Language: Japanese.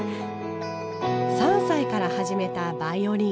３歳から始めたバイオリン。